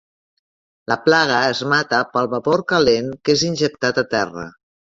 La plaga es mata pel vapor calent que és injectat a terra.